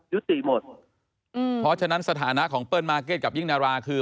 ยุติหมดอืมเพราะฉะนั้นสถานะของเปิ้ลมาร์เก็ตกับยิ่งดาราคือ